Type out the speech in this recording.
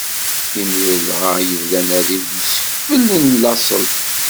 Imir dɣa i yebda anadi d usekfel n laṣel.